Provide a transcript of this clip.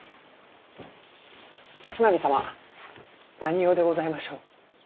角南様何用でございましょう。